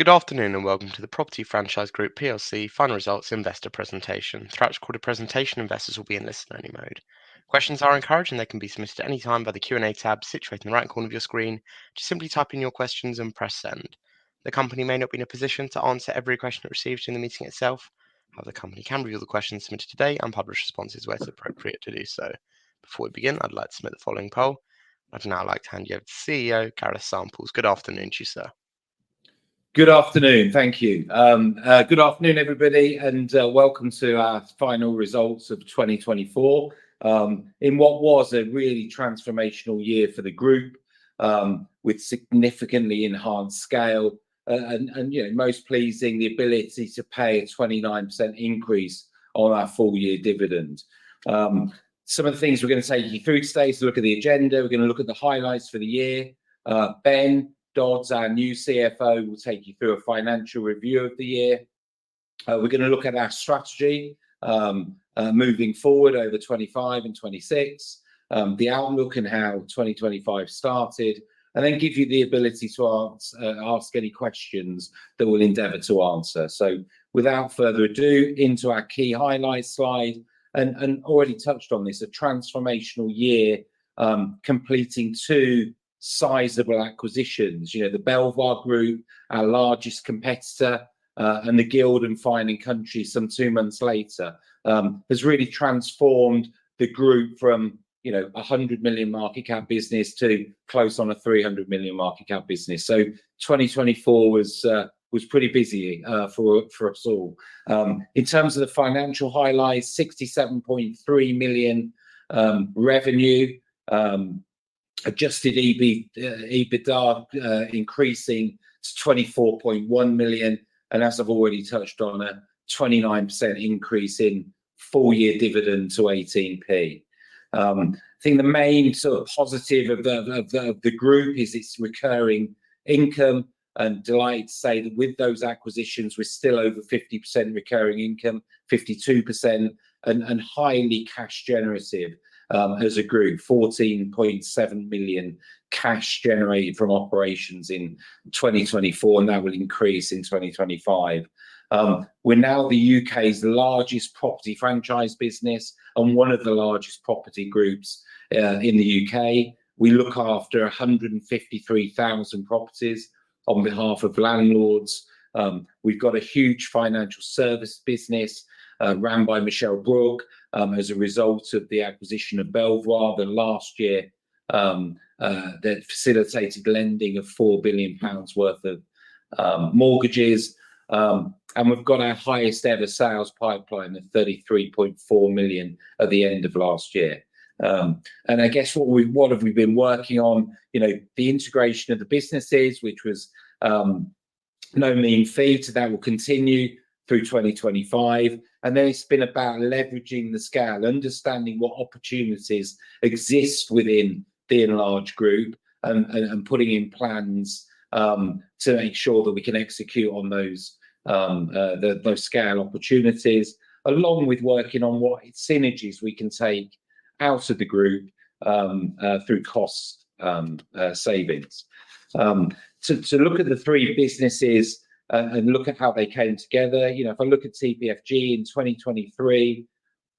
Good afternoon and Welcome to the Property Franchise Group Final Results Investor Presentation. Throughout the recorded presentation, investors will be in listen-only mode. Questions are encouraged, and they can be submitted at any time by the Q&A tab situated in the right corner of your screen. Just simply type in your questions and press send. The company may not be in a position to answer every question received in the meeting itself. However, the company can review the questions submitted today and publish responses where it is appropriate to do so. Before we begin, I'd like to submit the following poll. I'd now like to hand you over to CEO Gareth Samples. Good afternoon to you, sir. Good afternoon. Thank you. Good afternoon everybody, and welcome to our final results of 2024. In what was a really transformational year for the group, with significantly enhanced scale, and, you know, most pleasing the ability to pay a 29% increase on our full-year dividend. Some of the things we're gonna take you through today is a look at the agenda. We're gonna look at the highlights for the year. Ben Dodds, our new CFO, will take you through a financial review of the year. We're gonna look at our strategy, moving forward over 2025 and 2026, the outlook and how 2025 started, and then give you the ability to answer, ask any questions that we'll endeavor to answer. Without further ado, into our key highlights slide. And, and already touched on this, a transformational year, completing two sizable acquisitions. You know, the Belvoir Group, our largest competitor, and the Guild and Fine & Country some two months later, has really transformed the group from, you know, a 100 million market cap business to close on a 300 million market cap business. 2024 was, was pretty busy, for, for us all. In terms of the financial highlights, 67.3 million revenue, adjusted EBITDA increasing to 24.1 million. As I've already touched on, a 29% increase in full-year dividend to 18p. I think the main sort of positive of the, of the, of the group is its recurring income. Delighted to say that with those acquisitions, we're still over 50% recurring income, 52%, and, and highly cash generative, as a group, 14.7 million cash generated from operations in 2024, and that will increase in 2025. We're now the U.K.'s largest property franchise business and one of the largest property groups in the U.K. We look after 153,000 properties on behalf of landlords. We've got a huge financial services business, run by Michelle Brook, as a result of the acquisition of Belvoir last year, that facilitated lending of 4 billion pounds worth of mortgages. We've got our highest ever sales pipeline of 33.4 million at the end of last year. I guess what we, what have we been working on, you know, the integration of the businesses, which was no mean feat, that will continue through 2025. It's been about leveraging the scale, understanding what opportunities exist within the enlarged group, and putting in plans to make sure that we can execute on those scale opportunities, along with working on what synergies we can take out of the group through cost savings. To look at the three businesses, and look at how they came together. You know, if I look at TPFG in 2023,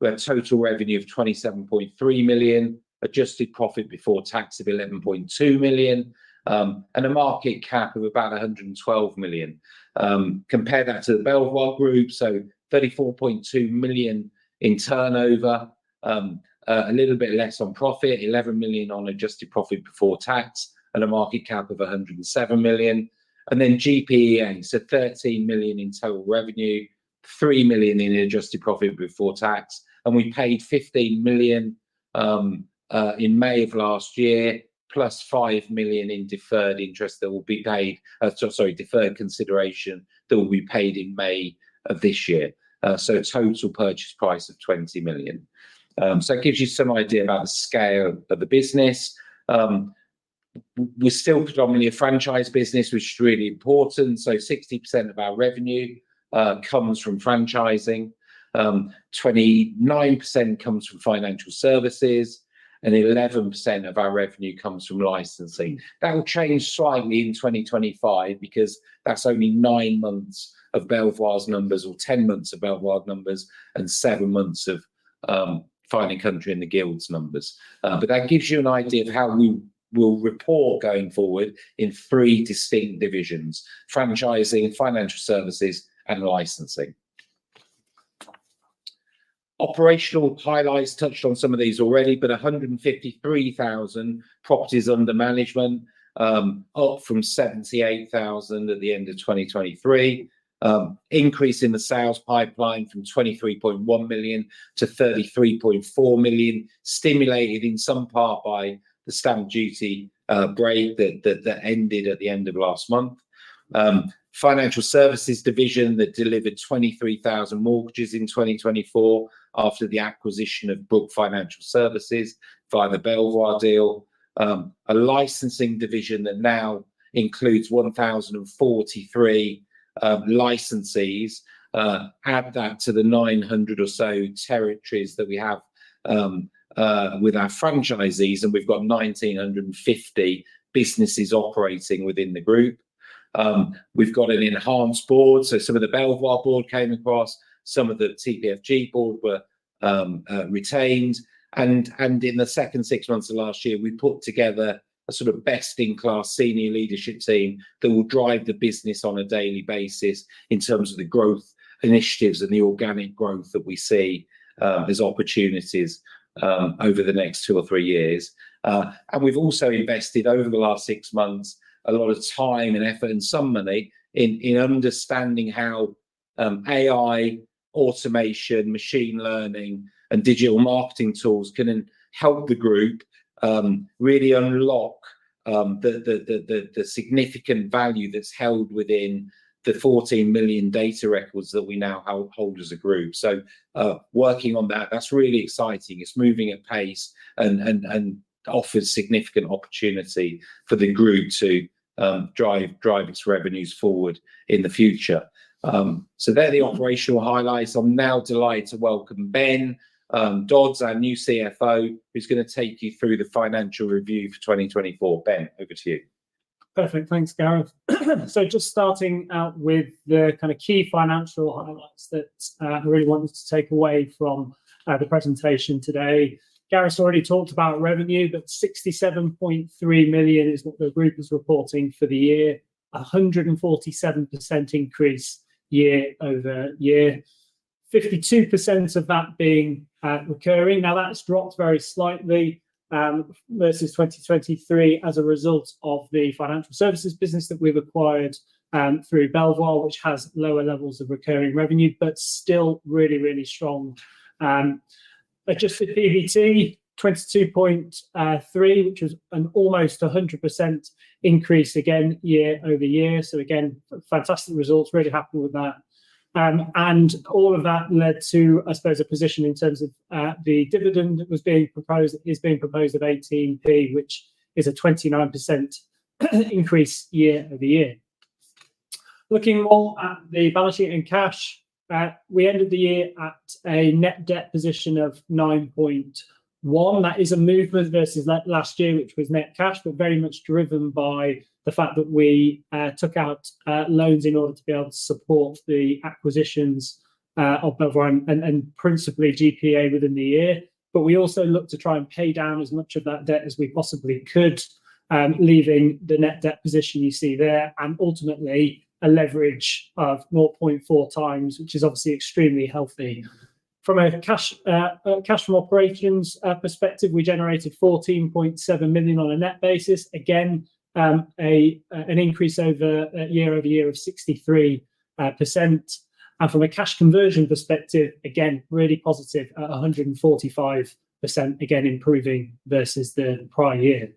we have total revenue of 27.3 million, adjusted profit before tax of 11.2 million, and a market cap of about 112 million. Compare that to the Belvoir Group, so 34.2 million in turnover, a little bit less on profit, 11 million on adjusted profit before tax, and a market cap of 107 million. And then GPEA, so 13 million in total revenue, 3 million in adjusted profit before tax. We paid 15 million in May of last year, plus 5 million in deferred consideration that will be paid in May of this year. The total purchase price is 20 million. It gives you some idea about the scale of the business. We are still predominantly a franchise business, which is really important. 60% of our revenue comes from franchising. 29% comes from financial services, and 11% of our revenue comes from licensing. That will change slightly in 2025 because that is only nine months of Belvoir's numbers or 10 months of Belvoir's numbers and seven months of Fine & Country and the Guild of Property Professionals' numbers. That gives you an idea of how we will report going forward in three distinct divisions: franchising, financial services, and licensing. Operational highlights touched on some of these already, but 153,000 properties under management, up from 78,000 at the end of 2023. Increase in the sales pipeline from 23.1 million to 33.4 million, stimulated in some part by the stamp duty holiday that ended at the end of last month. Financial services division that delivered 23,000 mortgages in 2024 after the acquisition of Brook Financial Services via the Belvoir deal. A licensing division that now includes 1,043 licensees. Add that to the 900 or so territories that we have with our franchisees, and we've got 1,950 businesses operating within the group. We've got an enhanced board. Some of the Belvoir board came across, some of the TPFG board were retained. In the second six months of last year, we put together a sort of best-in-class senior leadership team that will drive the business on a daily basis in terms of the growth initiatives and the organic growth that we see as opportunities over the next two or three years. We've also invested over the last six months a lot of time and effort and some money in understanding how AI automation, machine learning, and digital marketing tools can help the group really unlock the significant value that's held within the 14 million data records that we now hold as a group. Working on that, that's really exciting. It's moving at pace and offers significant opportunity for the group to drive its revenues forward in the future. They're the operational highlights. I'm now delighted to welcome Ben Dodds, our new CFO, who's gonna take you through the financial review for 2024. Ben, over to you. Perfect. Thanks, Gareth. Just starting out with the kind of key financial highlights that I really wanted to take away from the presentation today. Gareth's already talked about revenue, but 67.3 million is what the group is reporting for the year, a 147% increase year over year, 52% of that being recurring. Now that's dropped very slightly versus 2023 as a result of the financial services business that we've acquired through Belvoir, which has lower levels of recurring revenue, but still really, really strong. Adjusted PBT 22.3 million, which was an almost 100% increase again year over year. Fantastic results, really happy with that. All of that led to, I suppose, a position in terms of the dividend that was being proposed, is being proposed of 18p, which is a 29% increase year over year. Looking more at the balance sheet and cash, we ended the year at a net debt position of 9.1 million. That is a movement versus last year, which was net cash, but very much driven by the fact that we took out loans in order to be able to support the acquisitions of Belvoir and principally Guild of Property Professionals within the year. We also looked to try and pay down as much of that debt as we possibly could, leaving the net debt position you see there, and ultimately a leverage of 0.4 times, which is obviously extremely healthy. From a cash from operations perspective, we generated 14.7 million on a net basis. Again, an increase year over year of 63%. From a cash conversion perspective, again, really positive at 145%, again improving versus the prior year.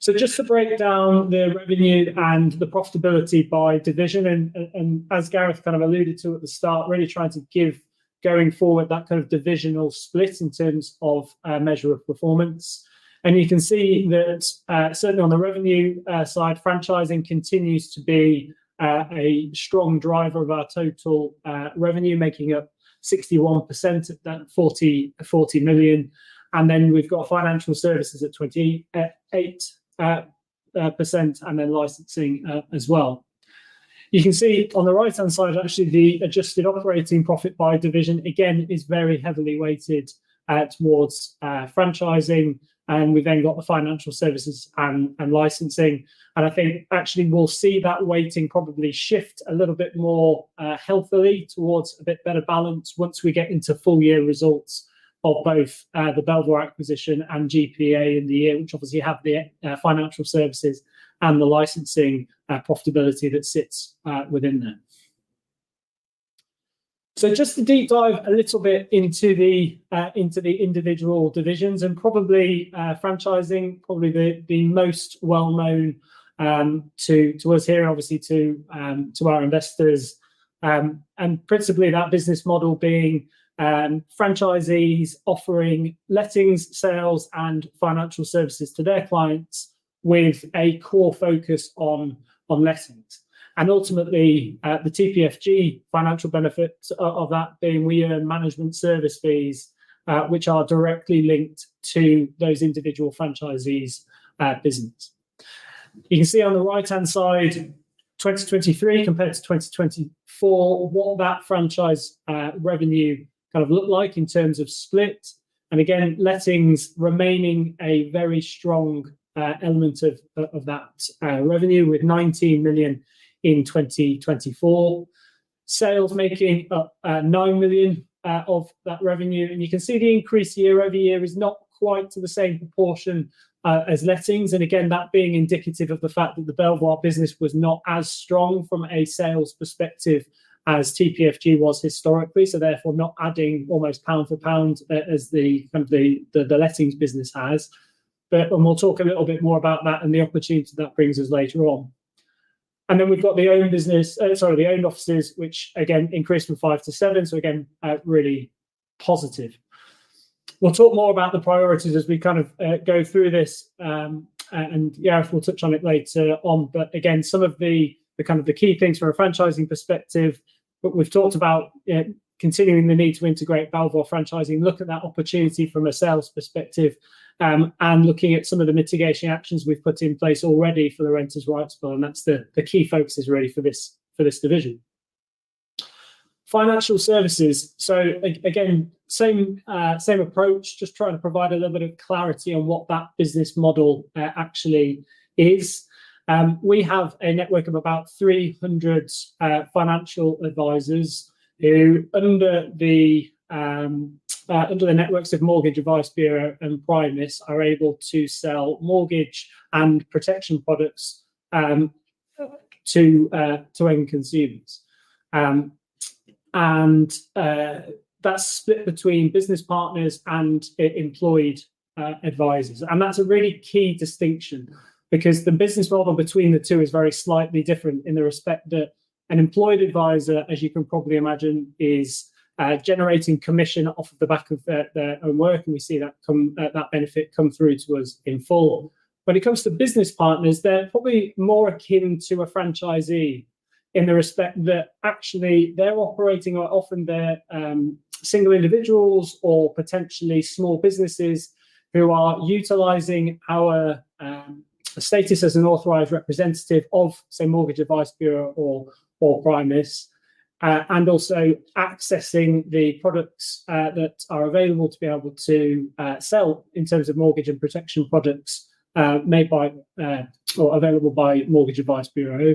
Just to break down the revenue and the profitability by division, as Gareth kind of alluded to at the start, really trying to give going forward that kind of divisional split in terms of measure of performance. You can see that, certainly on the revenue side, franchising continues to be a strong driver of our total revenue, making up 61% of that 40 million. Then we have financial services at 28%, and then licensing as well. You can see on the right-hand side, actually, the adjusted operating profit by division again is very heavily weighted towards franchising. We then have the financial services and licensing. I think actually we'll see that weighting probably shift a little bit more, healthily towards a bit better balance once we get into full-year results of both the Belvoir acquisition and GPA in the year, which obviously have the financial services and the licensing profitability that sits within there. Just to deep dive a little bit into the individual divisions and probably franchising, probably the most well-known to us here, obviously to our investors, and principally that business model being franchisees offering lettings, sales, and financial services to their clients with a core focus on lettings. Ultimately, the TPFG financial benefits of that being we earn management service fees, which are directly linked to those individual franchisees' business. You can see on the right-hand side, 2023 compared to 2024, what that franchise revenue kind of looked like in terms of split. Lettings remaining a very strong element of that revenue with 19 million in 2024, sales making up 9 million of that revenue. You can see the increase year over year is not quite to the same proportion as lettings. That is indicative of the fact that the Belvoir business was not as strong from a sales perspective as TPFG was historically, therefore not adding almost pound for pound as the lettings business has. We will talk a little bit more about that and the opportunity that brings us later on. Then we have the owned offices, which increased from five to seven. That is really positive. We will talk more about the priorities as we go through this, and Gareth will touch on it later on. Again, some of the key things from a franchising perspective that we've talked about include continuing the need to integrate Belvoir franchising, looking at that opportunity from a sales perspective, and looking at some of the mitigation actions we've put in place already for the Renters' Rights Bill. That's the key focus really for this division. Financial services. Again, same approach, just trying to provide a little bit of clarity on what that business model actually is. We have a network of about 300 financial advisors who, under the networks of Mortgage Advice Bureau and Primis, are able to sell mortgage and protection products to end consumers. That's split between business partners and employed advisors. That is a really key distinction because the business model between the two is very slightly different in the respect that an employed advisor, as you can probably imagine, is generating commission off of the back of their own work. We see that benefit come through to us in full. When it comes to business partners, they are probably more akin to a franchisee in the respect that actually they are operating, are often single individuals or potentially small businesses who are utilizing our status as an authorized representative of, say, Mortgage Advice Bureau or Primis, and also accessing the products that are available to be able to sell in terms of mortgage and protection products made by, or available by, Mortgage Advice Bureau.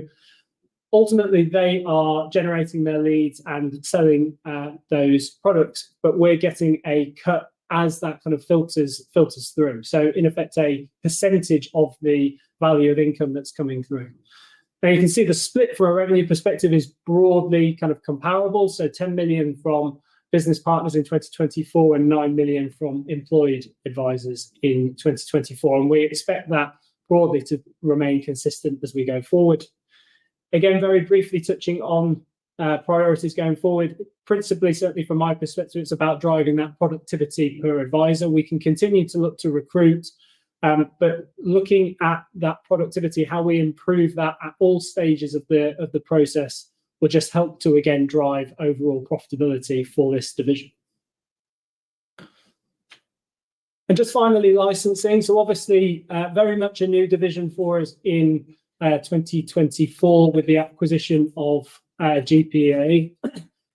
Ultimately, they are generating their leads and selling those products, but we are getting a cut as that kind of filters through. In effect, a percentage of the value of income that's coming through. You can see the split from a revenue perspective is broadly kind of comparable. 10 million from business partners in 2024 and 9 million from employed advisors in 2024. We expect that broadly to remain consistent as we go forward. Again, very briefly touching on priorities going forward. Principally, certainly from my perspective, it's about driving that productivity per advisor. We can continue to look to recruit, but looking at that productivity, how we improve that at all stages of the process will just help to again drive overall profitability for this division. Just finally, licensing. Obviously, very much a new division for us in 2024 with the acquisition of GPA.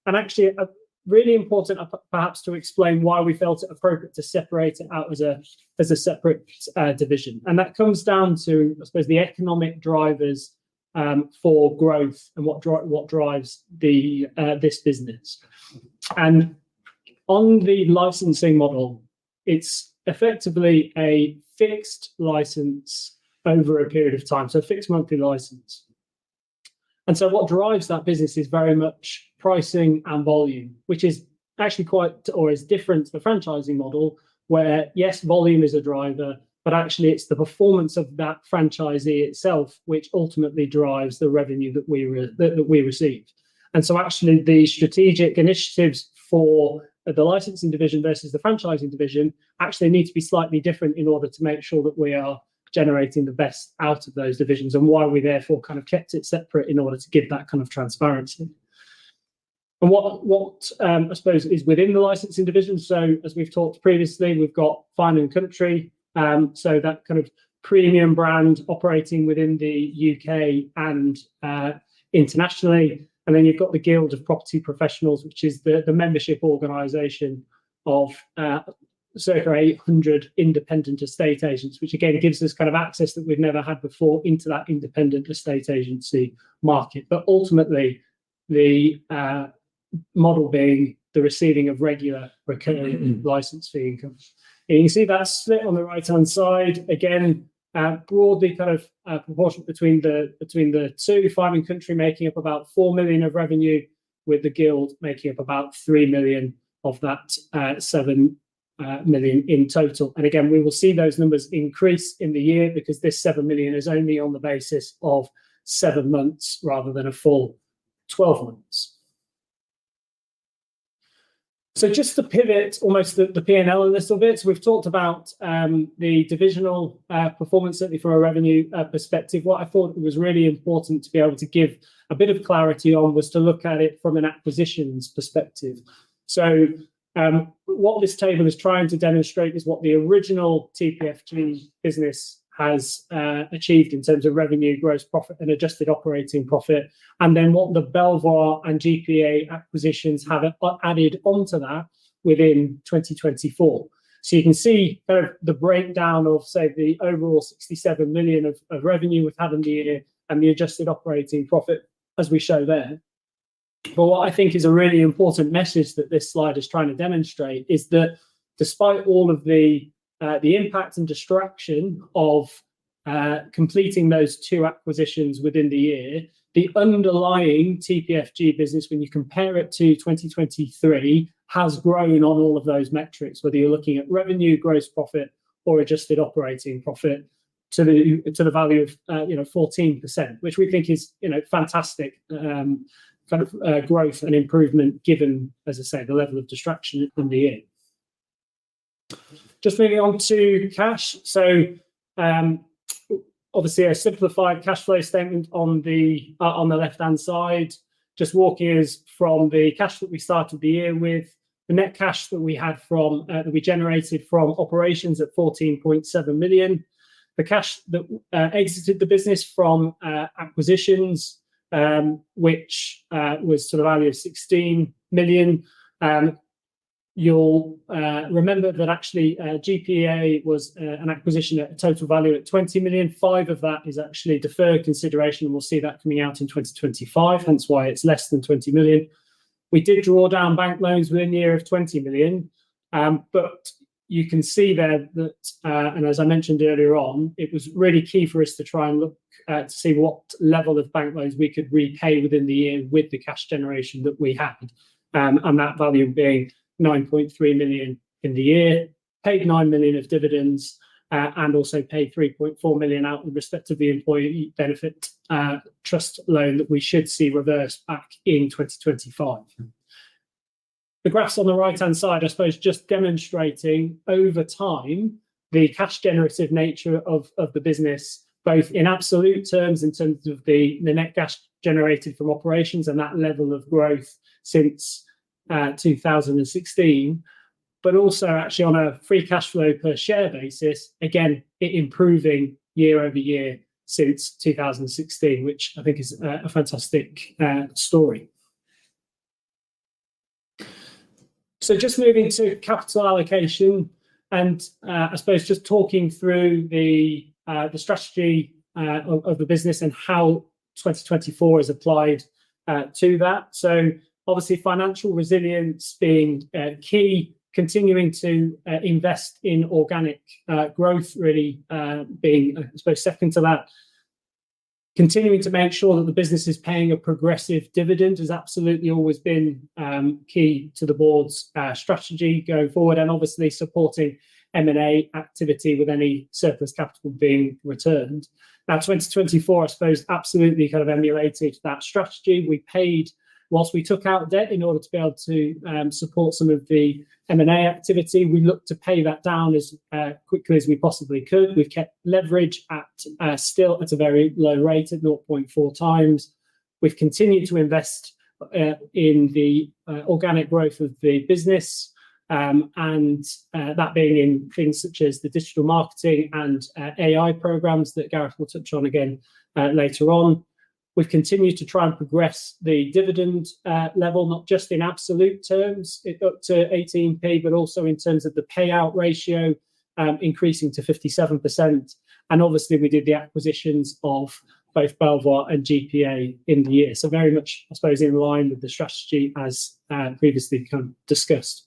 Actually, a really important perhaps to explain why we felt it appropriate to separate it out as a separate division. That comes down to, I suppose, the economic drivers for growth and what drives this business. On the licensing model, it's effectively a fixed license over a period of time, so fixed monthly license. What drives that business is very much pricing and volume, which is actually quite, or is different to the franchising model where, yes, volume is a driver, but actually it's the performance of that franchisee itself which ultimately drives the revenue that we receive. Actually, the strategic initiatives for the licensing division versus the franchising division need to be slightly different in order to make sure that we are generating the best out of those divisions and why we therefore kind of kept it separate in order to give that kind of transparency. What, I suppose, is within the licensing division—as we have talked previously, we have Fine & Country, that kind of premium brand operating within the U.K. and internationally. Then you have the Guild of Property Professionals, which is the membership organization of circa 800 independent estate agents, which again gives us kind of access that we have never had before into that independent estate agency market. Ultimately, the model is the receiving of regular recurring license fee income. You see that split on the right-hand side again, broadly kind of, proportion between the, between the two, Fine & Country making up about 4 million of revenue with the Guild making up about 3 million of that, 7 million in total. We will see those numbers increase in the year because this 7 million is only on the basis of seven months rather than a full 12 months. Just to pivot almost the, the P&L a little bit. We've talked about the divisional, performance certainly from a revenue, perspective. What I thought it was really important to be able to give a bit of clarity on was to look at it from an acquisitions perspective. What this table is trying to demonstrate is what the original TPFG business has achieved in terms of revenue, gross profit, and adjusted operating profit, and then what the Belvoir and GPA acquisitions have added onto that within 2024. You can see kind of the breakdown of, say, the overall 67 million of revenue we've had in the year and the adjusted operating profit as we show there. What I think is a really important message that this slide is trying to demonstrate is that despite all of the impact and distraction of completing those two acquisitions within the year, the underlying TPFG business, when you compare it to 2023, has grown on all of those metrics, whether you're looking at revenue, gross profit, or adjusted operating profit to the value of, you know, 14%, which we think is, you know, fantastic, kind of, growth and improvement given, as I say, the level of distraction in the year. Just moving on to cash. Obviously a simplified cash flow statement on the left-hand side, just walk years from the cash that we started the year with, the net cash that we had from, that we generated from operations at 14.7 million. The cash that exited the business from acquisitions, which was to the value of 16 million. You'll remember that actually, GPA was an acquisition at a total value at 20 million. Five of that is actually deferred consideration, and we'll see that coming out in 2025. Hence why it's less than 20 million. We did draw down bank loans within the year of 20 million. You can see there that, as I mentioned earlier on, it was really key for us to try and look to see what level of bank loans we could repay within the year with the cash generation that we had. That value being 9.3 million in the year, paid 9 million of dividends, and also paid 3.4 million out in respect of the employee benefit trust loan that we should see reversed back in 2025. The graphs on the right-hand side, I suppose, just demonstrating over time the cash generative nature of the business, both in absolute terms in terms of the net cash generated from operations and that level of growth since 2016, but also actually on a free cash flow per share basis, again, it improving year over year since 2016, which I think is a fantastic story. Just moving to capital allocation and, I suppose just talking through the strategy of the business and how 2024 is applied to that. Obviously financial resilience being key, continuing to invest in organic growth really being, I suppose, second to that, continuing to make sure that the business is paying a progressive dividend has absolutely always been key to the board's strategy going forward and obviously supporting M&A activity with any surplus capital being returned. Now, 2024, I suppose, absolutely kind of emulated that strategy. We paid whilst we took out debt in order to be able to, support some of the M&A activity. We looked to pay that down as, quickly as we possibly could. We've kept leverage at, still at a very low rate at 0.4 times. We've continued to invest, in the, organic growth of the business, and, that being in things such as the digital marketing and, AI programs that Gareth will touch on again, later on. We've continued to try and progress the dividend, level, not just in absolute terms, it up to 0.18, but also in terms of the payout ratio, increasing to 57%. Obviously we did the acquisitions of both Belvoir and GPA in the year. Very much, I suppose, in line with the strategy as, previously kind of discussed.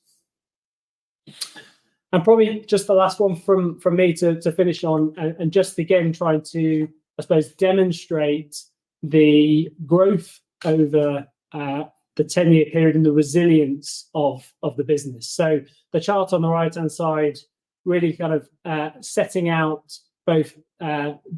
Probably just the last one from me to finish on, just again trying to, I suppose, demonstrate the growth over the 10-year period and the resilience of the business. The chart on the right-hand side really kind of sets out both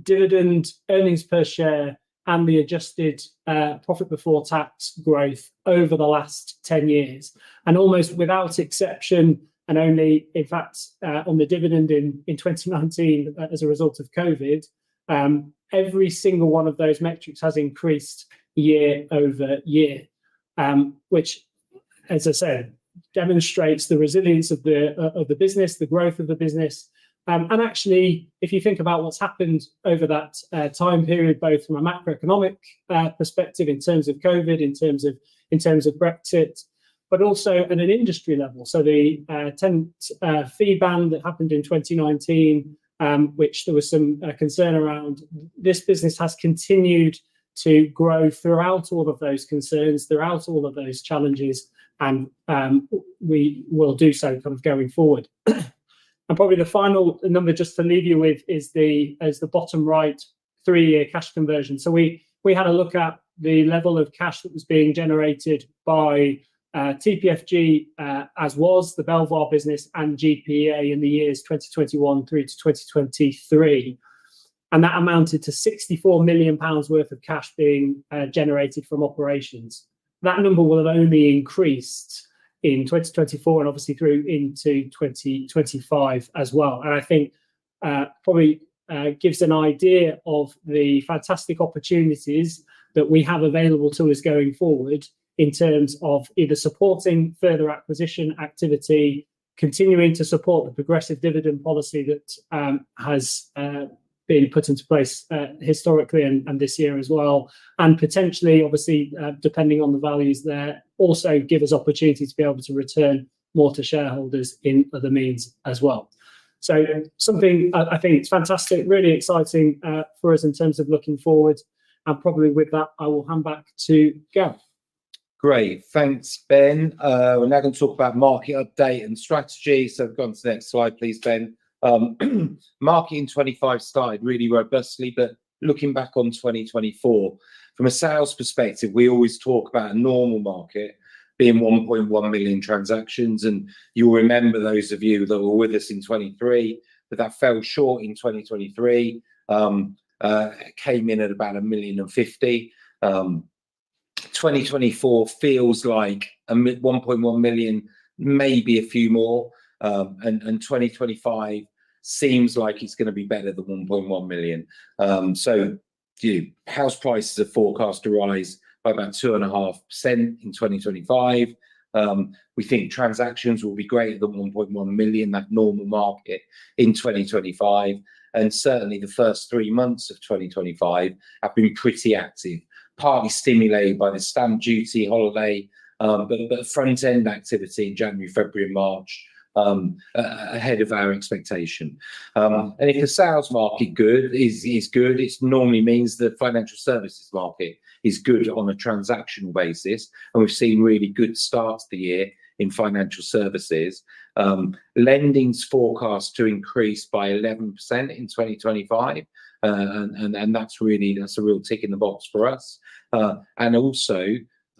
dividend earnings per share and the adjusted profit before tax growth over the last 10 years. Almost without exception, and only in fact on the dividend in 2019 as a result of COVID, every single one of those metrics has increased year over year, which, as I said, demonstrates the resilience of the business, the growth of the business. Actually, if you think about what's happened over that time period, both from a macroeconomic perspective in terms of COVID, in terms of Brexit, but also at an industry level. The Tenant fee ban that happened in 2019, which there was some concern around, this business has continued to grow throughout all of those concerns, throughout all of those challenges. We will do so kind of going forward. Probably the final number just to leave you with is the, as the bottom right, three-year cash conversion. We had a look at the level of cash that was being generated by TPFG, as was the Belvoir business and GPA in the years 2021 through to 2023. That amounted to 64 million pounds worth of cash being generated from operations. That number will have only increased in 2024 and obviously through into 2025 as well. I think, probably, gives an idea of the fantastic opportunities that we have available to us going forward in terms of either supporting further acquisition activity, continuing to support the progressive dividend policy that has been put into place historically and this year as well. Potentially, obviously, depending on the values there, also gives us opportunity to be able to return more to shareholders in other means as well. Something I think is fantastic, really exciting for us in terms of looking forward. Probably with that, I will hand back to Gareth. Great. Thanks, Ben. We're now gonna talk about market update and strategy. We've gone to the next slide, please, Ben. Market in 2025 started really robustly, but looking back on 2024 from a sales perspective, we always talk about a normal market being 1.1 million transactions. You'll remember those of you that were with us in 2023, but that fell short in 2023. Came in at about 1.05 million. 2024 feels like a mid 1.1 million, maybe a few more, and 2025 seems like it's gonna be better than 1.1 million. House prices are forecast to rise by about 2.5% in 2025. We think transactions will be greater than 1.1 million, that normal market in 2025. Certainly the first three months of 2025 have been pretty active, partly stimulated by the stamp duty holiday. Front end activity in January, February, and March, ahead of our expectation. If the sales market is good, it normally means the financial services market is good on a transactional basis. We've seen really good start to the year in financial services. Lending's forecast to increase by 11% in 2025. That's a real tick in the box for us. Also,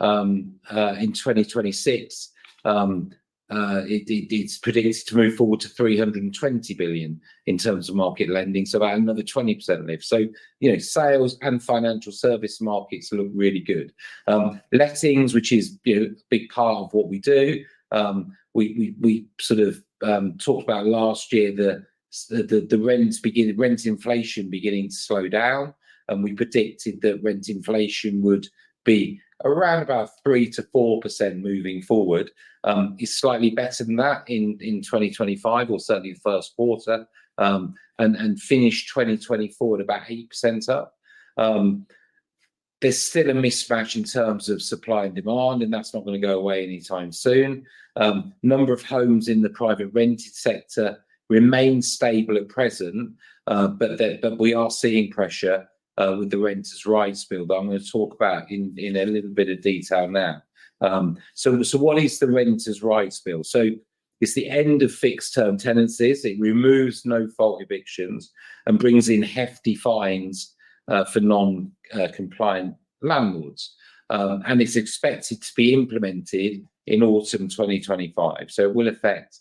in 2026, it's predicted to move forward to 320 billion in terms of market lending, so about another 20% lift. You know, sales and financial service markets look really good. Lettings, which is a big part of what we do, we talked about last year that the rents inflation beginning to slow down. We predicted that rent inflation would be around 3-4% moving forward. It's slightly better than that in 2025 or certainly the first quarter, and finished 2024 at about 8% up. There's still a mismatch in terms of supply and demand, and that's not gonna go away anytime soon. number of homes in the private rented sector remains stable at present. We are seeing pressure with the Renters' Rights Bill that I'm gonna talk about in a little bit of detail now. What is the Renters' Rights Bill? It's the end of fixed term tenancies. It removes no fault evictions and brings in hefty fines for non-compliant landlords. It's expected to be implemented in autumn 2025. It will affect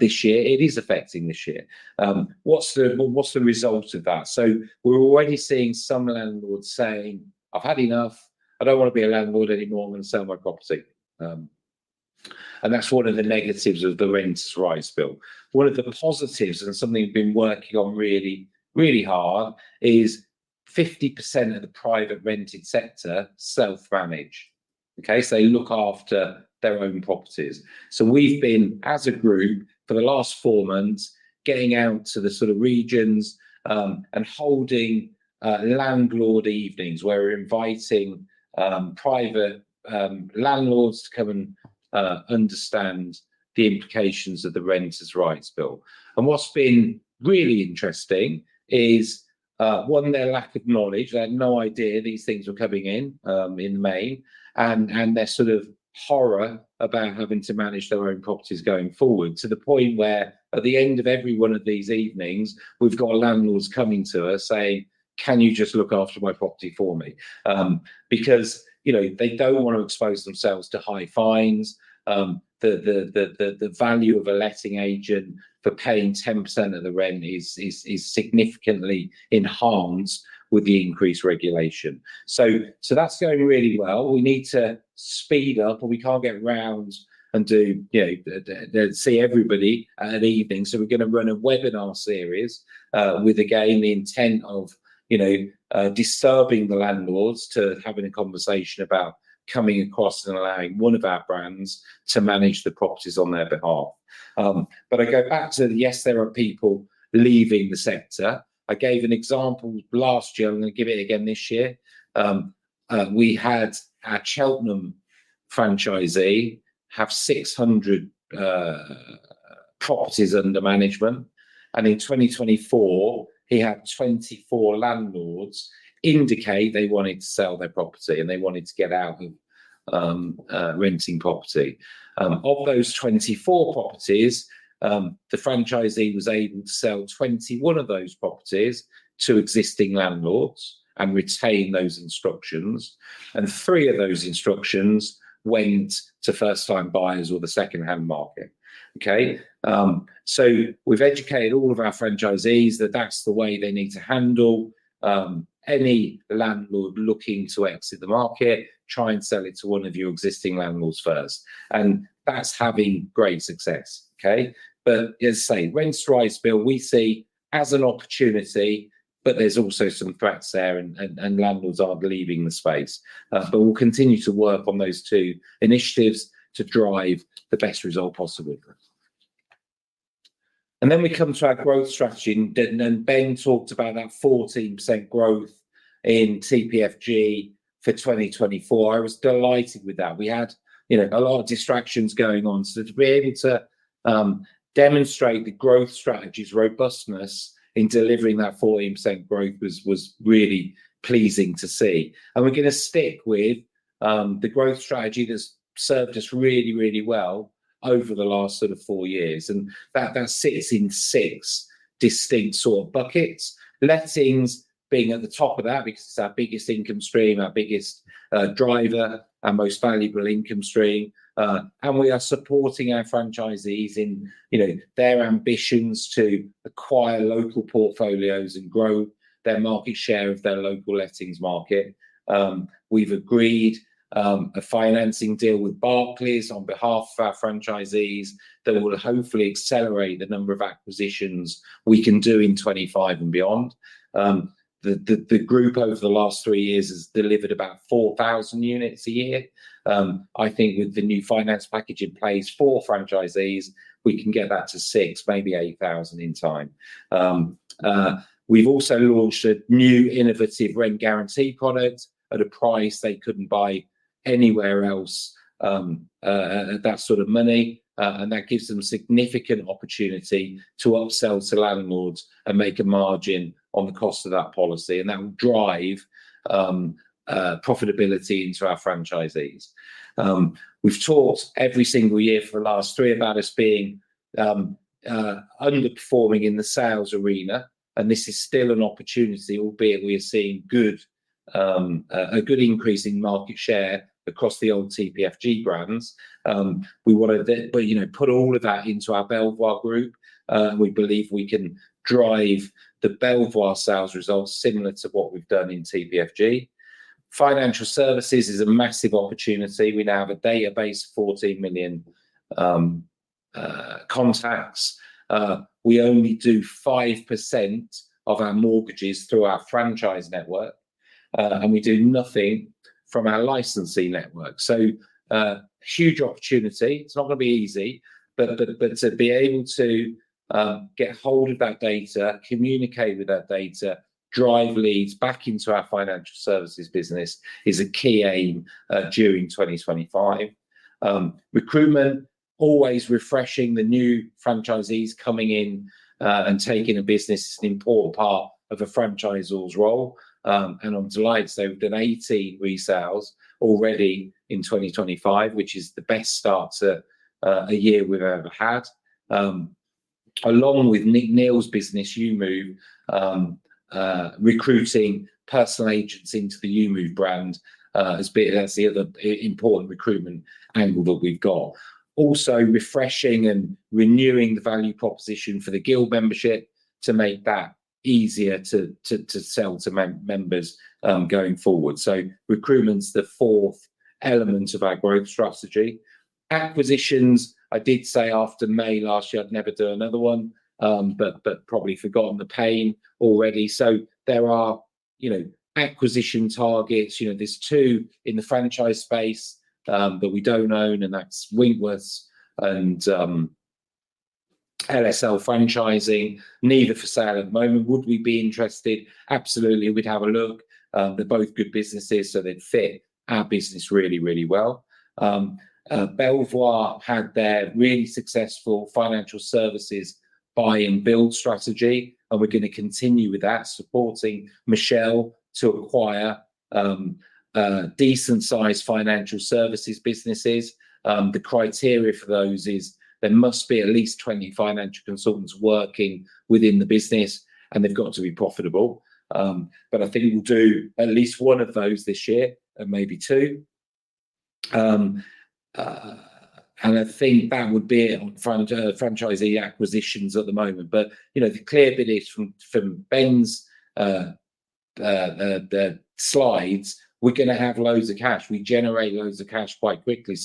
this year. It is affecting this year. What's the result of that? We're already seeing some landlords saying, "I've had enough. I don't wanna be a landlord anymore. I'm gonna sell my property." That's one of the negatives of the Renters' Rights Bill. One of the positives and something we've been working on really, really hard is 50% of the private rented sector self-manage. Okay? They look after their own properties. We've been as a group for the last four months getting out to the sort of regions, and holding landlord evenings where we're inviting private landlords to come and understand the implications of the Renters' Rights Bill. What's been really interesting is, one, their lack of knowledge. They had no idea these things were coming in, in May, and their sort of horror about having to manage their own properties going forward to the point where at the end of every one of these evenings, we've got landlords coming to us saying, "Can you just look after my property for me?" because, you know, they don't want to expose themselves to high fines. The value of a letting agent for paying 10% of the rent is significantly enhanced with the increased regulation. That's going really well. We need to speed up or we can't get around and do, you know, see everybody at an evening. We're gonna run a webinar series, with, again, the intent of, you know, disturbing the landlords to having a conversation about coming across and allowing one of our brands to manage the properties on their behalf. I go back to the, yes, there are people leaving the sector. I gave an example last year. I'm gonna give it again this year. We had our Cheltenham franchisee have 600 properties under management. In 2024, he had 24 landlords indicate they wanted to sell their property and they wanted to get out of renting property. Of those 24 properties, the franchisee was able to sell 21 of those properties to existing landlords and retain those instructions. Three of those instructions went to first-time buyers or the secondhand market. Okay? We have educated all of our franchisees that that is the way they need to handle any landlord looking to exit the market: try and sell it to one of your existing landlords first. That is having great success. Okay? As I say, Renters' Rights Bill we see as an opportunity, but there are also some threats there and landlords are leaving the space. We will continue to work on those two initiatives to drive the best result possible. We come to our growth strategy. Ben talked about that 14% growth in TPFG for 2024. I was delighted with that. We had, you know, a lot of distractions going on. To be able to demonstrate the growth strategy's robustness in delivering that 14% growth was really pleasing to see. We're gonna stick with the growth strategy that's served us really, really well over the last sort of four years. That sits in six distinct sort of buckets. Lettings being at the top of that because it's our biggest income stream, our biggest driver, our most valuable income stream. We are supporting our franchisees in, you know, their ambitions to acquire local portfolios and grow their market share of their local lettings market. We've agreed a financing deal with Barclays on behalf of our franchisees that will hopefully accelerate the number of acquisitions we can do in 2025 and beyond. The group over the last three years has delivered about 4,000 units a year. I think with the new finance package in place for franchisees, we can get that to 6,000, maybe 8,000 in time. We've also launched a new innovative rent guarantee product at a price they couldn't buy anywhere else. That sort of money, and that gives them significant opportunity to upsell to landlords and make a margin on the cost of that policy. That will drive profitability into our franchisees. We've talked every single year for the last three about us being underperforming in the sales arena. This is still an opportunity, albeit we are seeing a good increase in market share across the old TPFG brands. We wanted to, you know, put all of that into our Belvoir Group. We believe we can drive the Belvoir sales results similar to what we've done in TPFG. Financial services is a massive opportunity. We now have a database of 14 million contacts. We only do 5% of our mortgages through our franchise network. We do nothing from our licensing network. Huge opportunity. It's not gonna be easy, but to be able to get hold of that data, communicate with that data, drive leads back into our financial services business is a key aim during 2025. Recruitment, always refreshing the new franchisees coming in and taking a business, is an important part of a franchisor's role. I'm delighted. We've done 18 resales already in 2025, which is the best start to a year we've ever had. Along with Nick Neill's business, EweMove, recruiting personal agents into the EweMove brand, that's the other important recruitment angle that we've got. Also refreshing and renewing the value proposition for the Guild membership to make that easier to sell to members going forward. Recruitment's the fourth element of our growth strategy. Acquisitions, I did say after May last year, I'd never done another one, but probably forgotten the pain already. There are, you know, acquisition targets, you know, there's two in the franchise space that we don't own, and that's Wentworth Estate Agents and LSL Property Services franchising, neither for sale at the moment. Would we be interested? Absolutely. We'd have a look. They're both good businesses, so they'd fit our business really, really well. Belvoir had their really successful financial services buy and build strategy, and we're gonna continue with that, supporting Michelle to acquire decent sized financial services businesses. The criteria for those is there must be at least 20 financial consultants working within the business, and they've got to be profitable. I think we'll do at least one of those this year and maybe two. I think that would be it on franchisee acquisitions at the moment. You know, the clear bit is from Ben's slides, we're gonna have loads of cash. We generate loads of cash quite quickly.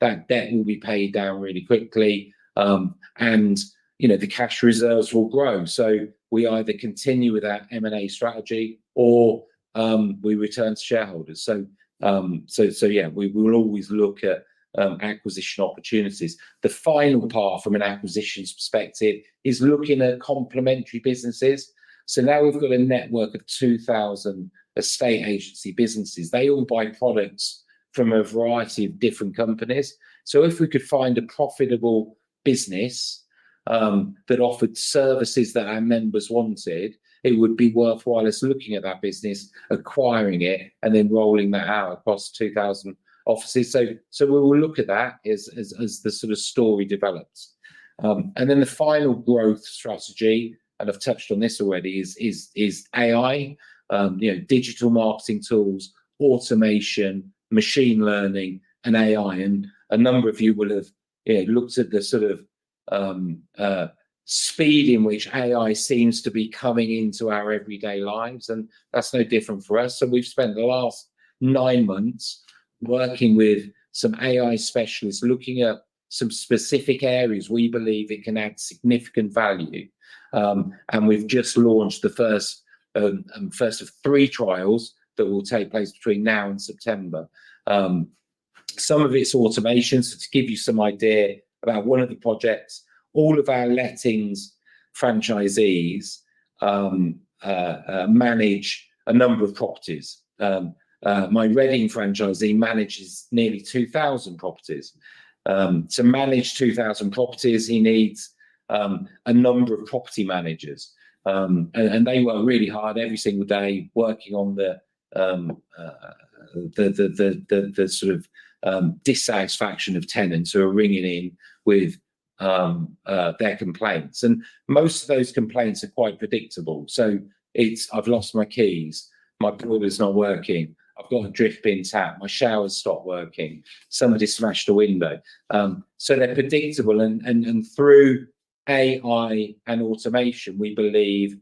That debt will be paid down really quickly, and, you know, the cash reserves will grow. We either continue with that M and A strategy or we return to shareholders. Yeah, we will always look at acquisition opportunities. The final part from an acquisitions perspective is looking at complimentary businesses. Now we've got a network of 2,000 estate agency businesses. They all buy products from a variety of different companies. If we could find a profitable business that offered services that our members wanted, it would be worthwhile us looking at that business, acquiring it, and then rolling that out across 2,000 offices. We will look at that as the sort of story develops. The final growth strategy, and I've touched on this already, is AI, you know, digital marketing tools, automation, machine learning, and AI. A number of you will have, you know, looked at the sort of speed in which AI seems to be coming into our everyday lives, and that's no different for us. We've spent the last nine months working with some AI specialists looking at some specific areas we believe it can add significant value. We've just launched the first of three trials that will take place between now and September. Some of it's automation. To give you some idea about one of the projects, all of our lettings franchisees manage a number of properties. My Reading franchisee manages nearly 2,000 properties. To manage 2,000 properties, he needs a number of property managers. They work really hard every single day working on the sort of dissatisfaction of tenants who are ringing in with their complaints. Most of those complaints are quite predictable. It's, I've lost my keys, my door is not working, I've got a dripping tap, my shower's stopped working, somebody smashed a window. They're predictable. Through AI and automation, we believe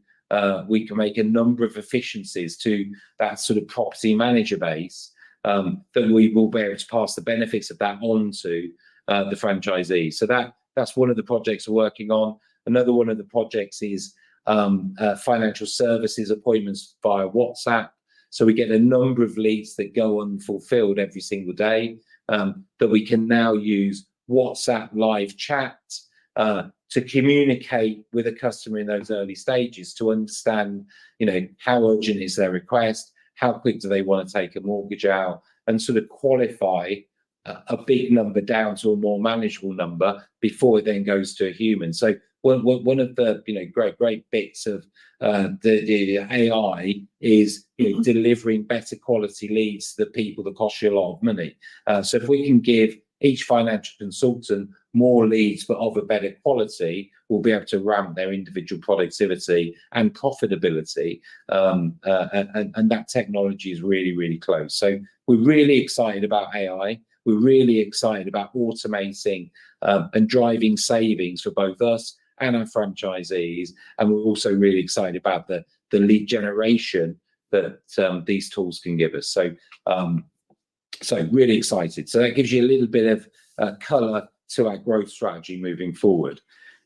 we can make a number of efficiencies to that sort of property manager base, that we will be able to pass the benefits of that onto the franchisee. That's one of the projects we're working on. Another one of the projects is financial services appointments via WhatsApp. We get a number of leads that go unfulfilled every single day, that we can now use WhatsApp live chat to communicate with a customer in those early stages to understand, you know, how urgent is their request, how quick do they wanna take a mortgage out, and sort of qualify a big number down to a more manageable number before it then goes to a human. One of the, you know, great, great bits of the AI is, you know, delivering better quality leads to the people that cost you a lot of money. If we can give each financial consultant more leads but of a better quality, we'll be able to ramp their individual productivity and profitability. That technology is really, really close. We're really excited about AI. We're really excited about automating and driving savings for both us and our franchisees. We're also really excited about the lead generation that these tools can give us. Really excited. That gives you a little bit of color to our growth strategy moving forward.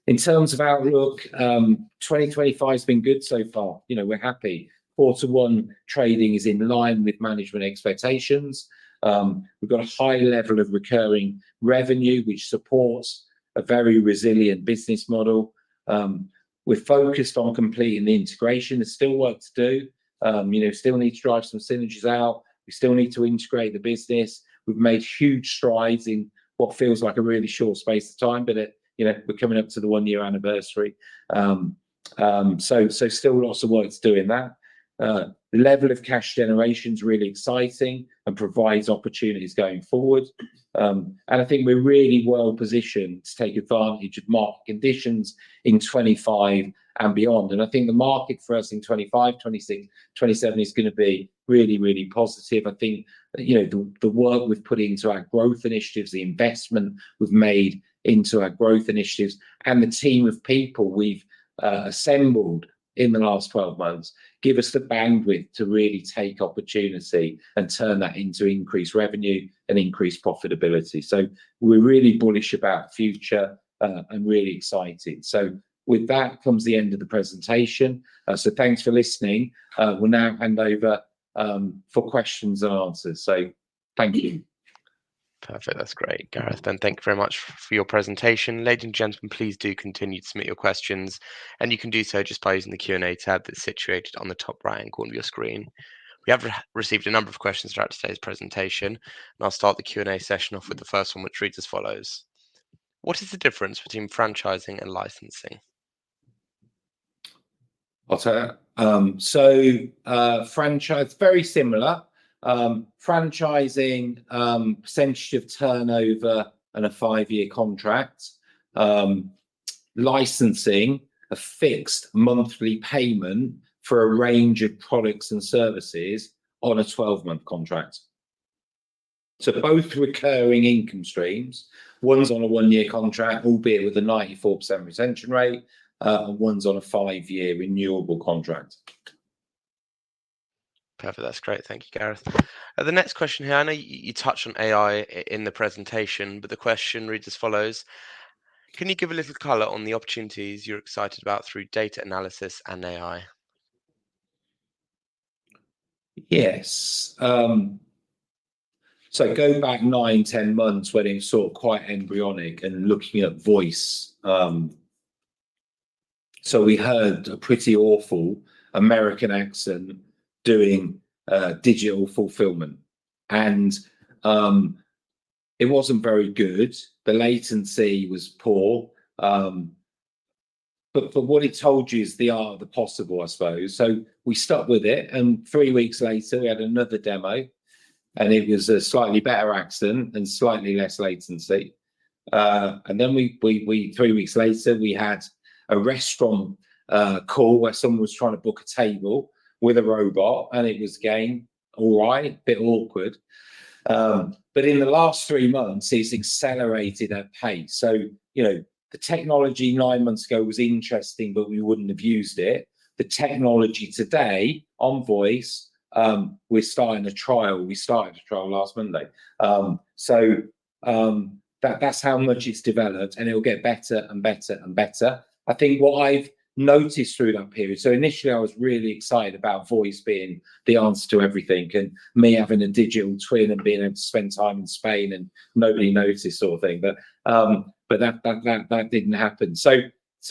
In terms of outlook, 2025 has been good so far. You know, we're happy. Quarter one trading is in line with management expectations. We've got a high level of recurring revenue, which supports a very resilient business model. We're focused on completing the integration. There's still work to do. You know, still need to drive some synergies out. We still need to integrate the business. We've made huge strides in what feels like a really short space of time, but it, you know, we're coming up to the one-year anniversary. Still lots of work to do in that. The level of cash generation is really exciting and provides opportunities going forward. I think we're really well positioned to take advantage of market conditions in 2025 and beyond. I think the market for us in 2025, 2026, 2027 is gonna be really, really positive. I think, you know, the work we've put into our growth initiatives, the investment we've made into our growth initiatives, and the team of people we've assembled in the last 12 months give us the bandwidth to really take opportunity and turn that into increased revenue and increased profitability. We're really bullish about future, and really excited. With that comes the end of the presentation. Thanks for listening. We'll now hand over for questions and answers. Thank you. Perfect. That's great, Gareth. Thank you very much for your presentation. Ladies and gentlemen, please do continue to submit your questions. You can do so just by using the Q&A tab that's situated on the top right-hand corner of your screen. We have received a number of questions throughout today's presentation, and I'll start the Q&A session off with the first one, which reads as follows. What is the difference between franchising and licensing? I'll say, so, franchise, very similar. Franchising, percentage of turnover and a five-year contract. Licensing, a fixed monthly payment for a range of products and services on a 12-month contract. Both recurring income streams, one's on a one-year contract, albeit with a 94% retention rate, and one's on a five-year renewable contract. Perfect. That's great. Thank you, Gareth. The next question here, I know you touched on AI in the presentation, but the question reads as follows. Can you give a little color on the opportunities you're excited about through data analysis and AI? Yes. Go back nine, ten months when it's sort of quite embryonic and looking at voice. We heard a pretty awful American accent doing digital fulfillment. It wasn't very good. The latency was poor. What it told you is the art of the possible, I suppose. We stuck with it. Three weeks later, we had another demo, and it was a slightly better accent and slightly less latency. Three weeks later, we had a restaurant call where someone was trying to book a table with a robot, and it was, again, all right, a bit awkward. In the last three months, it's accelerated at pace. You know, the technology nine months ago was interesting, but we wouldn't have used it. The technology today on voice, we're starting a trial. We started a trial last Monday. That's how much it's developed, and it'll get better and better and better. I think what I've noticed through that period, initially I was really excited about voice being the answer to everything and me having a digital twin and being able to spend time in Spain and nobody noticed sort of thing. That didn't happen.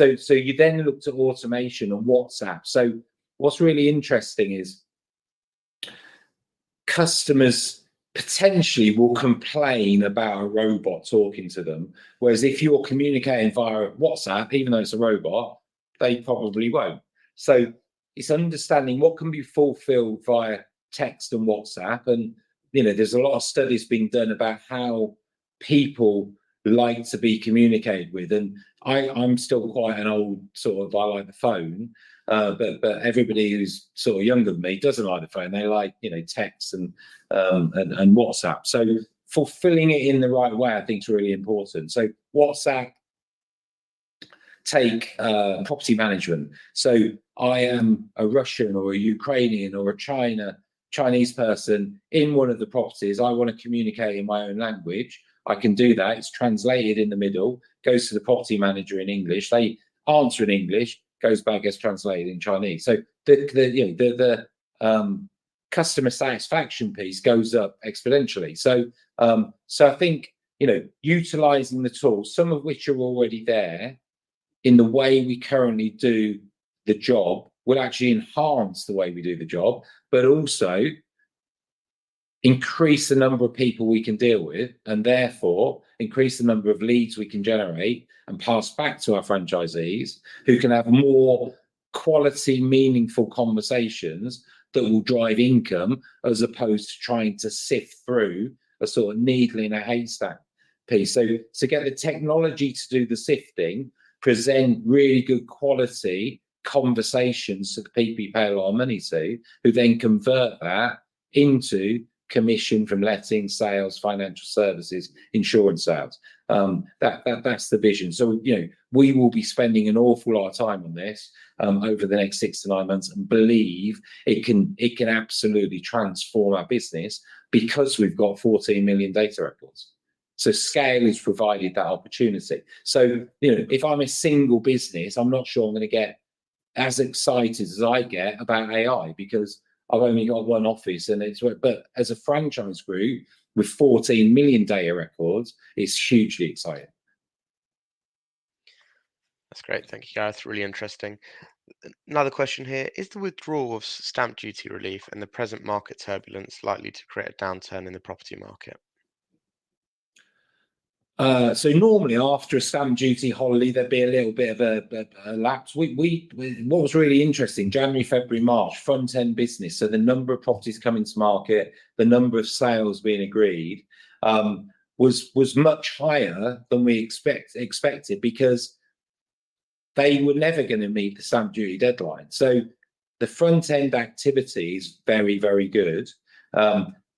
You then looked at automation on WhatsApp. What's really interesting is customers potentially will complain about a robot talking to them, whereas if you are communicating via WhatsApp, even though it's a robot, they probably won't. It's understanding what can be fulfilled via text and WhatsApp. You know, there's a lot of studies being done about how people like to be communicated with. I, I'm still quite an old sort of, I like the phone, but everybody who's sort of younger than me doesn't like the phone. They like, you know, text and WhatsApp. Fulfilling it in the right way, I think, is really important. WhatsApp, take property management. I am a Russian or a Ukrainian or a Chinese person in one of the properties. I want to communicate in my own language. I can do that. It's translated in the middle, goes to the property manager in English, they answer in English, goes back, gets translated in Chinese. The customer satisfaction piece goes up exponentially. I think, you know, utilizing the tools, some of which are already there in the way we currently do the job, will actually enhance the way we do the job, but also increase the number of people we can deal with and therefore increase the number of leads we can generate and pass back to our franchisees who can have more quality, meaningful conversations that will drive income as opposed to trying to sift through a sort of needling a haystack piece. To get the technology to do the sifting, present really good quality conversations to the people you pay a lot of money to, who then convert that into commission from letting sales, financial services, insurance sales. That, that's the vision. You know, we will be spending an awful lot of time on this over the next six to nine months and believe it can absolutely transform our business because we've got 14 million data records. Scale has provided that opportunity. You know, if I'm a single business, I'm not sure I'm gonna get as excited as I get about AI because I've only got one office and it's work. But as a franchise group with 14 million data records, it's hugely exciting. That's great. Thank you, Gareth. Really interesting. Another question here. Is the withdrawal of stamp duty relief and the present market turbulence likely to create a downturn in the property market? Normally after a stamp duty holiday, there'd be a little bit of a lapse. What was really interesting, January, February, March, front end business. The number of properties coming to market, the number of sales being agreed, was much higher than we expected because they were never gonna meet the stamp duty deadline. The front end activity is very, very good.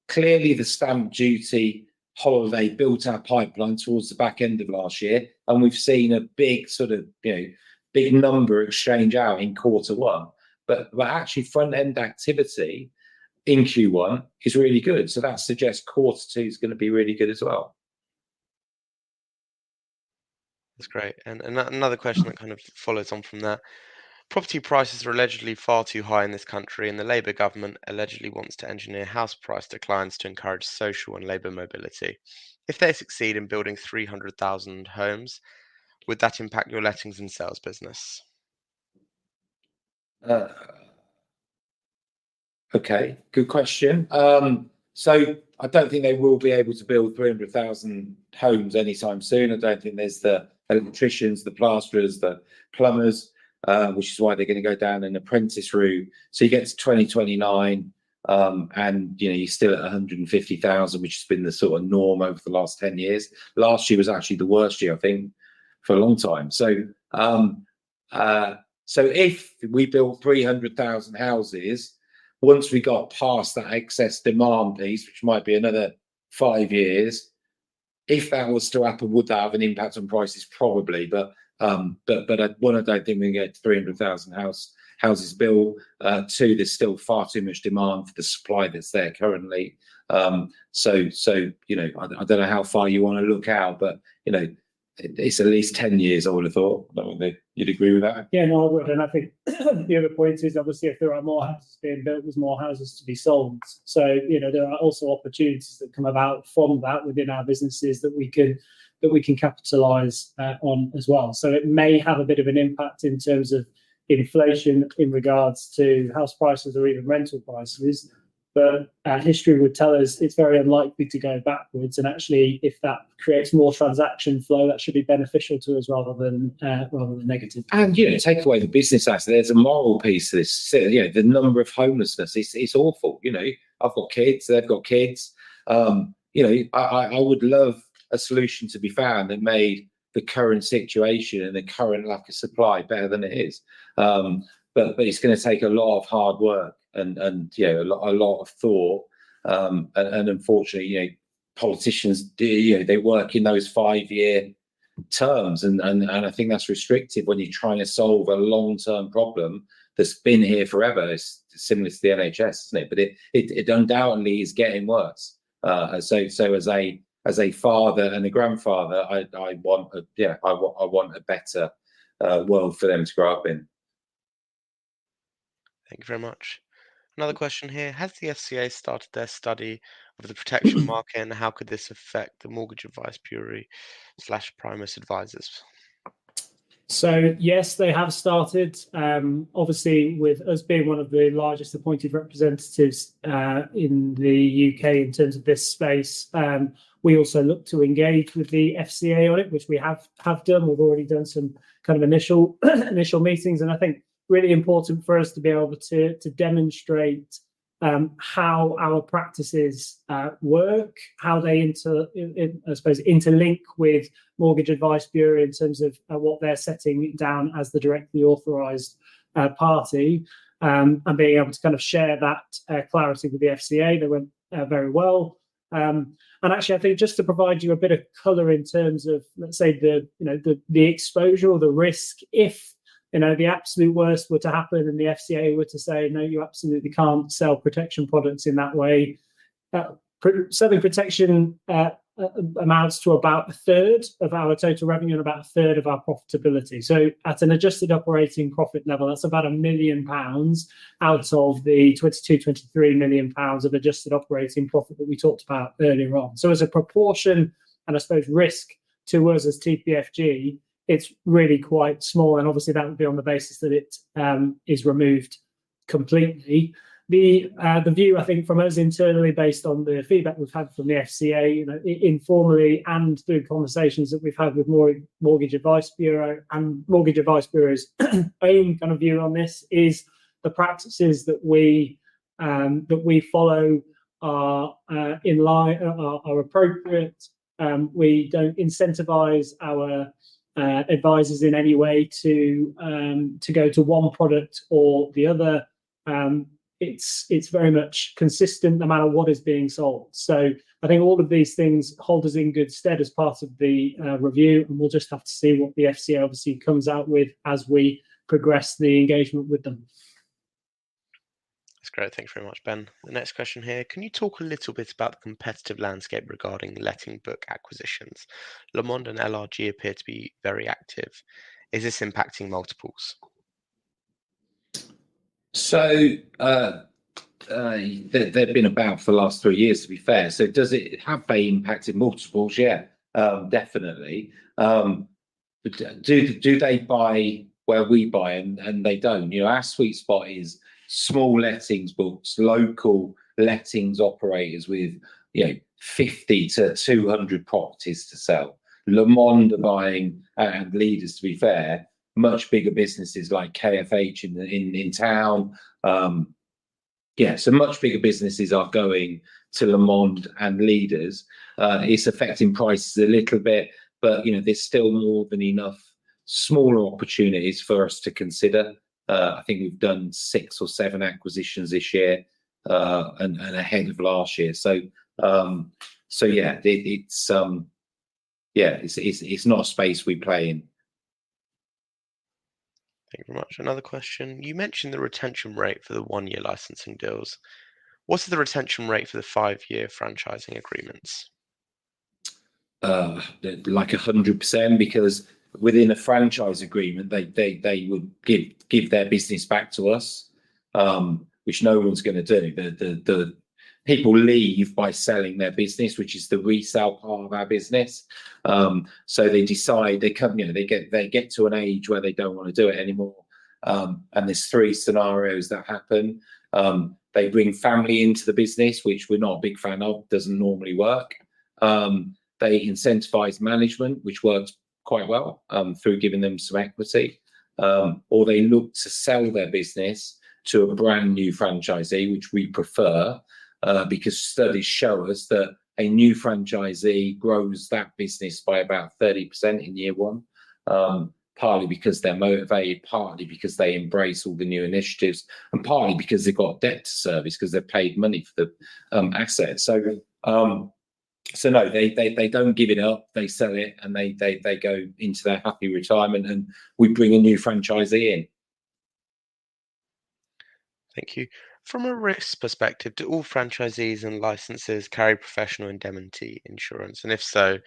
Clearly the stamp duty holiday built our pipeline towards the back end of last year and we've seen a big sort of, you know, big number exchange out in quarter one. Actually, front end activity in Q1 is really good. That suggests quarter two is gonna be really good as well. That's great. Another question that kind of follows on from that. Property prices are allegedly far too high in this country and the Labour government allegedly wants to engineer house price declines to encourage social and labor mobility. If they succeed in building 300,000 homes, would that impact your lettings and sales business? Okay. Good question. I don't think they will be able to build 300,000 homes anytime soon. I don't think there's the electricians, the plasterers, the plumbers, which is why they're gonna go down an apprentice route. You get to 2029, and you know, you're still at 150,000, which has been the sort of norm over the last 10 years. Last year was actually the worst year, I think, for a long time. If we build 300,000 houses, once we got past that excess demand piece, which might be another five years, if that was to happen, would that have an impact on prices? Probably. I don't think we can get 300,000 houses built. There's still far too much demand for the supply that's there currently. So, you know, I don't know how far you wanna look out, but you know, it's at least 10 years old, I thought. I don't know if you'd agree with that. Yeah. No, I would. I think the other point is obviously if there are more houses being built, there's more houses to be sold. You know, there are also opportunities that come about from that within our businesses that we can capitalize on as well. It may have a bit of an impact in terms of inflation in regards to house prices or even rental prices. But history would tell us it's very unlikely to go backwards. Actually, if that creates more transaction flow, that should be beneficial to us rather than negative. You know, take away the business aspect, there's a moral piece to this. You know, the number of homelessness, it's awful. You know, I've got kids, they've got kids. You know, I would love a solution to be found that made the current situation and the current lack of supply better than it is. It's gonna take a lot of hard work and, you know, a lot of thought. Unfortunately, you know, politicians do, you know, they work in those five-year terms and I think that's restrictive when you're trying to solve a long-term problem that's been here forever. It's similar to the NHS, isn't it? It undoubtedly is getting worse. As a father and a grandfather, I want a, yeah, I want a better world for them to grow up in. Thank you very much. Another question here. Has the FCA started their study of the protection market and how could this affect the Mortgage Advice Bureau slash Primis advisors? Yes, they have started. Obviously with us being one of the largest appointed representatives in the U.K. in terms of this space, we also look to engage with the FCA on it, which we have done. We've already done some kind of initial meetings. I think really important for us to be able to demonstrate how our practices work, how they inter, I suppose, interlink with Mortgage Advice Bureau in terms of what they're setting down as the directly authorized party, and being able to share that clarity with the FCA. They went very well. Actually, I think just to provide you a bit of color in terms of, let's say, the, you know, the exposure or the risk if, you know, the absolute worst were to happen and the FCA were to say, no, you absolutely can't sell protection products in that way. Selling protection amounts to about a third of our total revenue and about a third of our profitability. At an adjusted operating profit level, that's about 1 million pounds out of the 22-23 million pounds of adjusted operating profit that we talked about earlier on. As a proportion and I suppose risk to us as TPFG, it's really quite small. Obviously, that would be on the basis that it is removed completely. The view I think from us internally based on the feedback we've had from the FCA, you know, informally and through conversations that we've had with Mortgage Advice Bureau and Mortgage Advice Bureau's own kind of view on this is the practices that we, that we follow are, in line, are, are appropriate. We don't incentivize our advisors in any way to go to one product or the other. It's very much consistent no matter what is being sold. I think all of these things hold us in good stead as part of the review and we'll just have to see what the FCA obviously comes out with as we progress the engagement with them. That's great. Thanks very much, Ben. The next question here. Can you talk a little bit about the competitive landscape regarding letting book acquisitions? Lomond and LRG appear to be very active. Is this impacting multiples? They've been about for the last three years, to be fair. Does it have they impacted multiples? Yeah, definitely. Do they buy where we buy, and they don't. You know, our sweet spot is small lettings books, local lettings operators with, you know, 50-200 properties to sell. Lomond are buying, and Leaders, to be fair, much bigger businesses like KFH in town. Yeah, much bigger businesses are going to Lomond and Leaders. It's affecting prices a little bit, but you know, there's still more than enough smaller opportunities for us to consider. I think we've done six or seven acquisitions this year, and ahead of last year. Yeah, it's not a space we play in. Thank you very much. Another question. You mentioned the retention rate for the one-year licensing deals. What's the retention rate for the five-year franchising agreements? Like 100% because within a franchise agreement, they would give their business back to us, which no one's gonna do. The people leave by selling their business, which is the resale part of our business. They decide they come, you know, they get to an age where they don't wanna do it anymore. There's three scenarios that happen. They bring family into the business, which we're not a big fan of, doesn't normally work. They incentivize management, which works quite well, through giving them some equity. Or they look to sell their business to a brand new franchisee, which we prefer, because studies show us that a new franchisee grows that business by about 30% in year one. Partly because they're motivated, partly because they embrace all the new initiatives and partly because they've got debt to service 'cause they've paid money for the asset. No, they don't give it up. They sell it and they go into their happy retirement and we bring a new franchisee in. Thank you. From a risk perspective, do all franchisees and licensees carry professional indemnity insurance? And if so,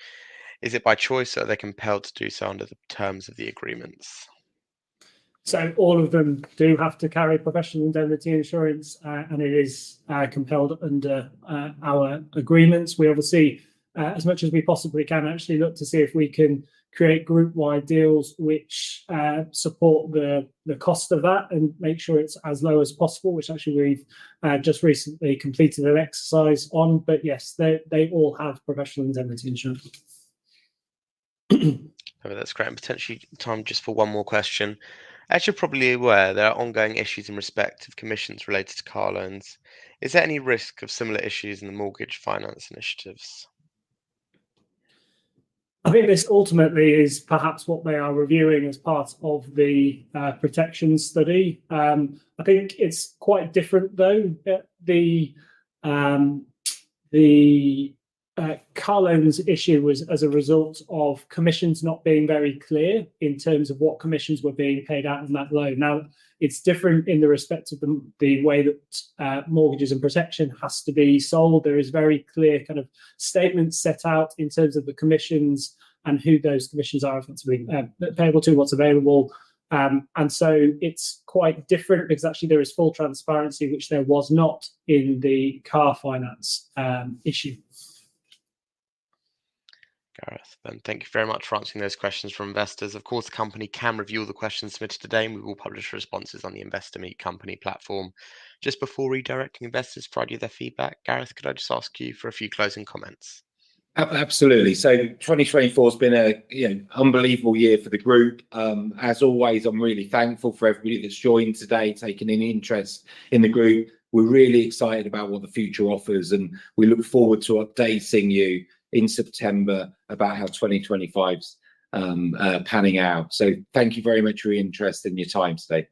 is it by choice or are they compelled to do so under the terms of the agreements? All of them do have to carry professional indemnity insurance, and it is compelled under our agreements. We obviously, as much as we possibly can, actually look to see if we can create group-wide deals which support the cost of that and make sure it's as low as possible, which actually we've just recently completed an exercise on. Yes, they all have professional indemnity insurance. I mean, that's great. Potentially time just for one more question. As you're probably aware, there are ongoing issues in respect of commissions related to car loans. Is there any risk of similar issues in the mortgage finance initiatives? I think this ultimately is perhaps what they are reviewing as part of the protection study. I think it's quite different though. The car loans issue was as a result of commissions not being very clear in terms of what commissions were being paid out in that loan. Now it's different in the respect of the, the way that mortgages and protection has to be sold. There is very clear kind of statements set out in terms of the commissions and who those commissions are effectively payable to, what's available. And so it's quite different because actually there is full transparency, which there was not in the car finance issue. Gareth, Ben, thank you very much for answering those questions from investors. Of course, the company can review the questions submitted today and we will publish responses on the Investor Meet Company platform. Just before redirecting investors prior to their feedback, Gareth, could I just ask you for a few closing comments? Absolutely. 2024 has been a, you know, unbelievable year for the group. As always, I'm really thankful for everybody that's joined today, taken an interest in the group. We're really excited about what the future offers and we look forward to updating you in September about how 2025's panning out. Thank you very much for your interest and your time today.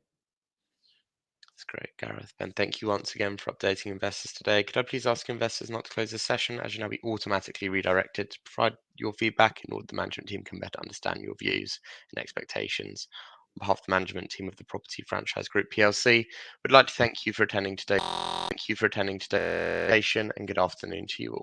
That's great, Gareth. Ben, thank you once again for updating investors today. Could I please ask investors not to close the session? As you know, you will be automatically redirected to provide your feedback in order that the management team can better understand your views and expectations. On behalf of the management team of The Property Franchise Group, we'd like to thank you for attending today. Thank you for attending today and good afternoon to you.